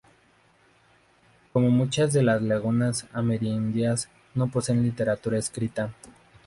Como muchas de las lenguas amerindias no posee literatura escrita.